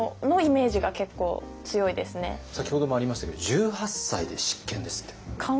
先ほどもありましたけど１８歳で執権ですって。